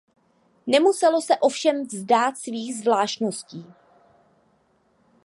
Nemuselo se ovšem vzdát svých „zvláštností“.